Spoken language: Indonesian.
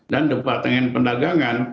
dan departemen perdagangan